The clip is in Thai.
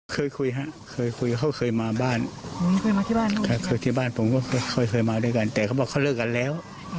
เคยคุยฮะเคยคุยเขาเคยมาบ้านเคยมาที่บ้านเคยที่บ้านผมก็เคยมาด้วยกันแต่เขาบอกเขาเลิกกันแล้ว